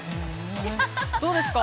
◆どうですか。